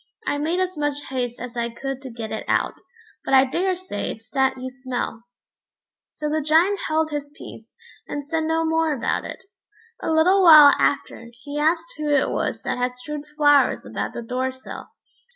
I made as much haste as I could to get it out, but I daresay it's that you smell." So the Giant held his peace, and said no more about it. A little while after, he asked who it was that had strewed flowers about the door sill.